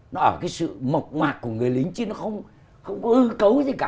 nó ở cái sự mộc mạc của người lính chứ nó không có ư cấu gì cả